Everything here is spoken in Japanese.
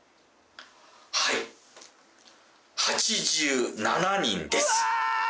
はい８７人ですうわー！